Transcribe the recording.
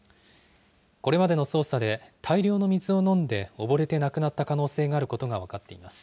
これまでの捜査で大量の水を飲んで溺れて亡くなった可能性があることが分かっています。